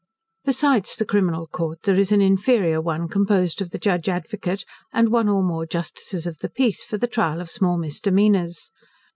Besides the Criminal court, there is an inferior one composed of the Judge Advocate, and one or more justices of the peace, for the trial of small misdemeanours.